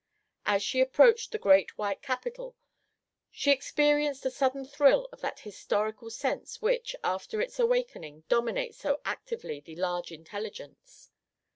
As she approached the great white Capitol, she experienced a sudden thrill of that historical sense which, after its awakening, dominates so actively the large intelligence.